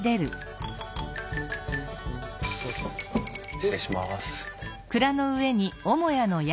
失礼します。